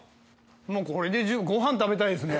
もうこれで十分ご飯食べたいですね。